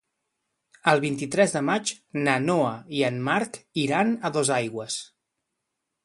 El vint-i-tres de maig na Noa i en Marc iran a Dosaigües.